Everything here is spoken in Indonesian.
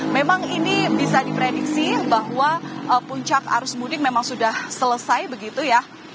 memang ini bisa diprediksi bahwa puncak arus mudik memang sudah selesai begitu ya